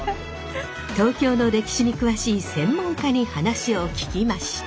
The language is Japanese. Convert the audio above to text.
東京の歴史に詳しい専門家に話を聞きました。